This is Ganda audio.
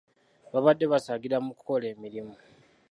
Babadde basaagira mu kukola emirimu.